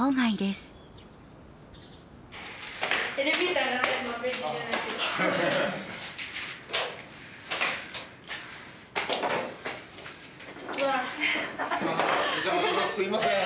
すいません。